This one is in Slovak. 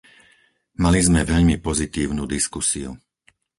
Mali sme veľmi pozitívnu diskusiu.